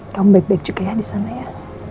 kamu baik baik juga ya disana ya